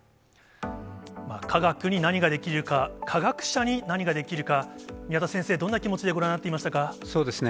科学に何ができるか、科学者に何ができるか、宮田先生、どんな気持ちでご覧になっていまそうですね。